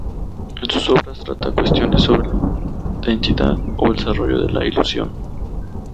En sus obras trata cuestiones sobre la identidad o el desarrollo de la ilusión.